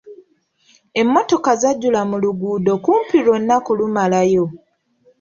Emmotoka zajjula mu luguudo kumpi lwonna kulumalayo.